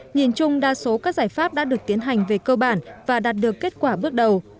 nhìn chung đa số các giải pháp đã được tiến hành về cơ bản và đạt được kết quả bước đầu